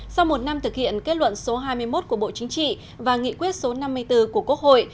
sau một năm thực hiện kết luận số hai mươi một của bộ chính trị và nghị quyết số năm mươi bốn của quốc hội